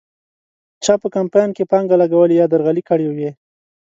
چا په کمپاین کې پانګه لګولې یا درغلۍ کړې وې.